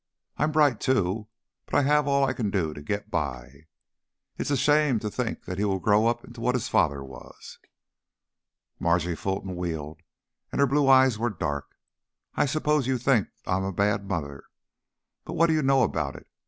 "I'm bright, too, but I have all I can do to get by." "It is a shame to think he will grow up into what his father was." Margie Fulton wheeled and her blue eyes were dark. "I suppose you think I'm a bad mother. But what do you know about it?